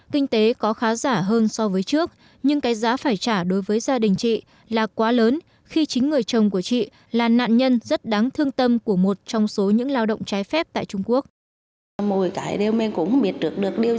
kinh tế có khá giả hơn so với trước nhưng cái giá phải trả đối với gia đình chị là quá lớn khi chính người chồng của chị là nạn nhân rất đáng thương tâm của một trong số những lao động trái phép tại trung quốc